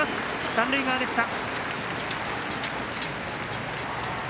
三塁側でした。